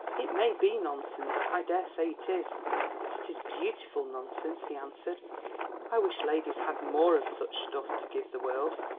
"It may be nonsense, I daresay it is, but it is beautiful nonsense," he answered. "I wish ladies had more of such stuff to give the world."